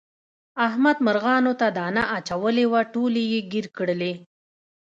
احمد مرغانو ته دانه اچولې وه ټولې یې ګیر کړلې.